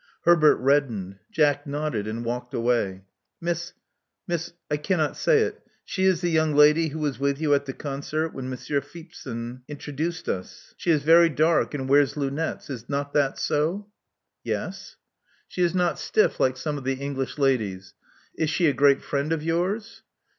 Herbert reddened. Jack nodded and walked away. Miss — Miss — I cannot say it. She is the young lady who was with you at the concert, when Monsieur Feepzon introduced us. She is very dark, and wears lunettes. Is not that so?" Yes." Love Among the Artists 193 She is not stiflF, like some of the English ladies. Is she a great friend of yours?"